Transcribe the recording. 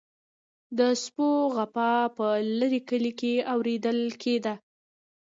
د سپو غپا په لرې کلي کې اوریدل کیده.